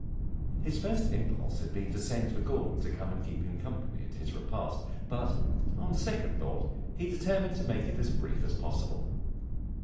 His first impulse had been to send for Gordon to come and keep him company at his repast; but on second thought he determined to make it as brief as possible.